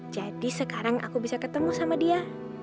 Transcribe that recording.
jadi sekarang aku bisa ketemu sama dia